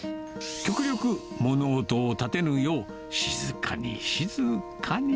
極力、物音をたてぬよう、静かに、静かに。